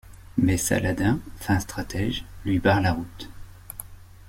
Mais Saladin, fin stratège, lui barre la route.